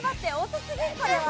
遅すぎるこれは。